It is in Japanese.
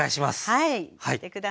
はい。